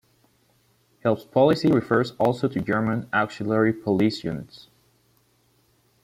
Hilfspolizei refers also to German auxiliary police units.